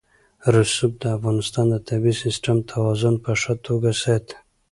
رسوب د افغانستان د طبعي سیسټم توازن په ښه توګه ساتي.